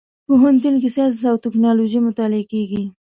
پوهنتون کې ساينس او ټکنالوژي مطالعه کېږي.